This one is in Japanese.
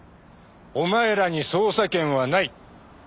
お前らに捜査権はない。